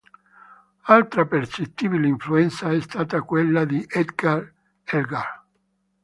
Altra percettibile influenza è stata quella di Edward Elgar.